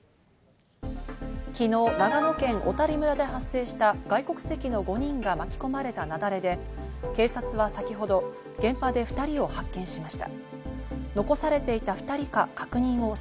昨日、長野県小谷村で発生した外国籍の５人が巻き込まれた雪崩で、警察は先ほど現場で２人を発見しました。